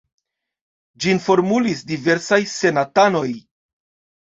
Ĝin formulis diversaj senatanoj.